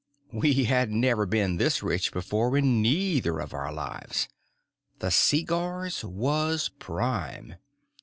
We hadn't ever been this rich before in neither of our lives. The seegars was prime.